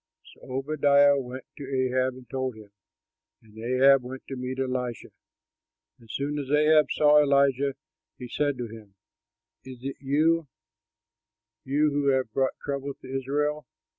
So Obadiah went to Ahab and told him; and Ahab went to meet Elijah. As soon as Ahab saw Elijah, he said to him, "Is it you, you who have brought trouble to Israel?"